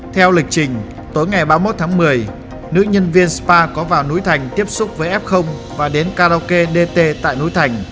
theo lịch trình tối ngày ba mươi một tháng một mươi nữ nhân viên spa có vào núi thành tiếp xúc với f và đến karaoke dt tại núi thành